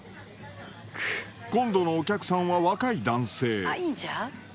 今度のお客さんは若い男性。